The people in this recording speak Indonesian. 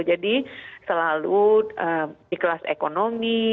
jadi selalu ikhlas ekonomi